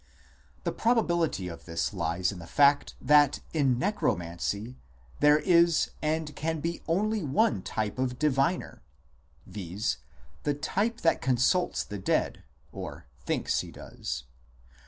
The probability of this lies in the fact that in Necromancy there is and can be only one type of "diviner," viz. the type that consults the dead (or thinks he does).